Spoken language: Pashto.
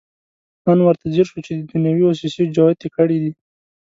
ان ورته ځیر شو چې دنیوي وسوسې جوتې کړې دي.